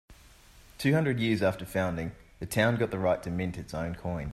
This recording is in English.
Two hundred years after founding, the town got the right to mint its own coin.